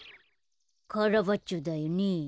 カラバッチョだよね。